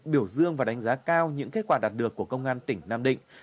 biểu dương và đánh giá cao những kết quả đạt được của công an tỉnh nam định